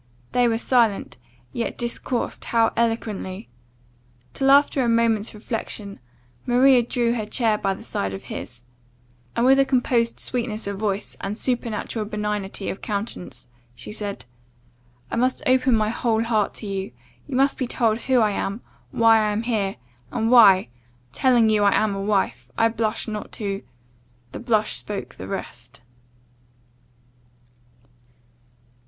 They were silent yet discoursed, how eloquently? till, after a moment's reflection, Maria drew her chair by the side of his, and, with a composed sweetness of voice, and supernatural benignity of countenance, said, "I must open my whole heart to you; you must be told who I am, why I am here, and why, telling you I am a wife, I blush not to" the blush spoke the rest.